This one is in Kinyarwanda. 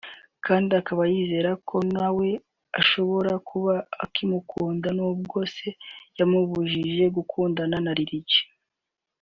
kandi akaba yizera ko nawe ashobora kuba akimukunda n’ubwo se yamubujije gukundana na Lil G